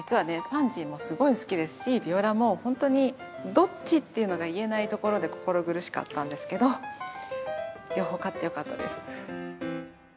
パンジーもすごい好きですしビオラもほんとにどっちっていうのが言えないところで心苦しかったんですけど両方勝ってよかったです。